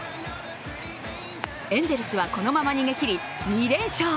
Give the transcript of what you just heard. エンゼルスは、このまま逃げきり２連勝。